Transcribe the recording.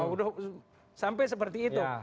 udah sampai seperti itu